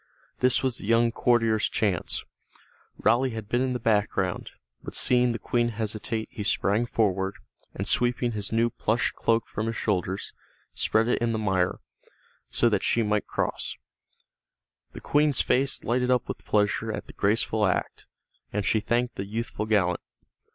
This was the young courtier's chance. Raleigh had been in the background, but seeing the Queen hesitate he sprang forward, and sweeping his new plush cloak from his shoulders, spread it in the mire, so that she might cross. The Queen's face lighted up with pleasure at the graceful act, and she thanked the youthful gallant.